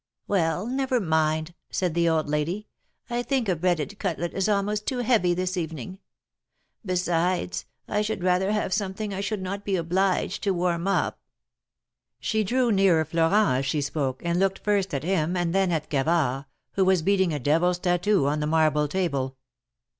'^Well, never mind," said the old lady, think a breaded cutlet is almost too heavy this evening. Besides, I should rather have something I should not be obliged to warm up." She drew nearer Florent as she spoke, and looked first at him and then at Gavard, who was beating a devil's tattoo on the marble table.